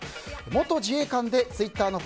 元自衛官でツイッターの